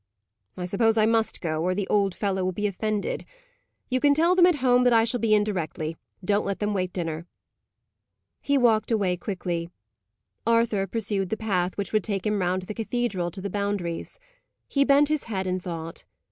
"I suppose I must go, or the old fellow will be offended. You can tell them at home that I shall be in directly; don't let them wait dinner." He walked away quickly. Arthur pursued the path which would take him round the cathedral to the Boundaries. He bent his head in thought.